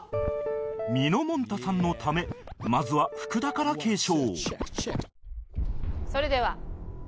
みのもんたさんの溜めまずは福田から継承